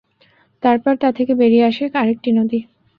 তারপর তা থেকে বেরিয়ে আসে আরেকটি নদী।